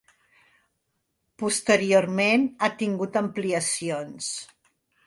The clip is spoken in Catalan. Posteriorment ha tingut ampliacions.